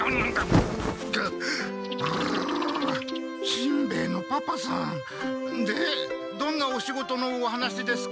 しんべヱのパパさんでどんなお仕事のお話ですか？